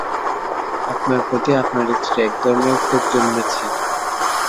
আপনার প্রতি আপনার স্ত্রীর একধরনের ক্ষোভ জন্মেছে।